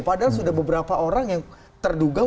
padahal sudah beberapa orang yang terduga